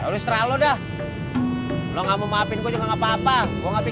selalu setelah udah lo gak mau maafin gua juga gak mau paham aku mau ngomong ngomong aja deh